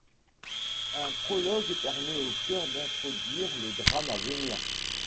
Un prologue permet au chœur d’introduire le drame à venir.